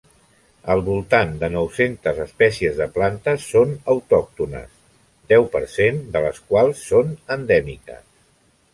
Al voltant de nou-centes espècies de plantes són autòctones, deu per cent de les quals són endèmiques.